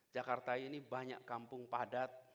jakarta ini banyak kampung padat